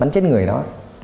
bắn chết người đó